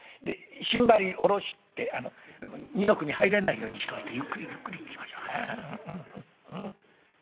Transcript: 心張り下ろして二の組入れないようにしておいてゆっくりゆっくりいきましょう」。